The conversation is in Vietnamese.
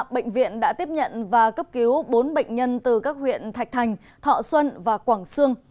bệnh viện đã tiếp nhận và cấp cứu bốn bệnh nhân từ các huyện thạch thành thọ xuân và quảng sương